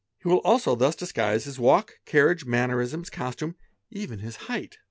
He will : ulse thus disguise his walk, carriage, mannerisms, costume, even his + height.